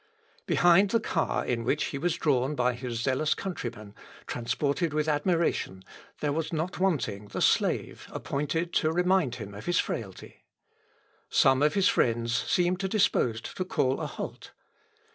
Behind the car in which he was drawn by his zealous countrymen, transported with admiration, there was not wanting the slave appointed to remind him of his frailty. Some of his friends seemed disposed to call a halt.